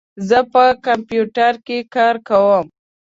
زه په کمپیوټر کې کار کوم.